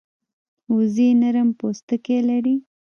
وزې نرم پوستکی لري